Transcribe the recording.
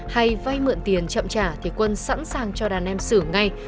hay vay mượn tiền chậm trả thì quân sẵn sàng cho đàn em xử ngay